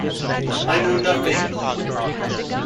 I know nothing!